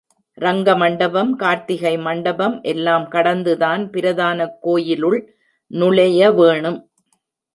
ரங்க மண்டபம் கார்த்திகை மண்டபம் எல்லாம் கடந்துதான் பிரதானக் கோயிலுள் நுழைய வேணும்.